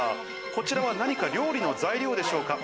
こちらは何か料理の材料でしょうか？